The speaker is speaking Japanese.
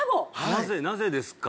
なぜなぜですか？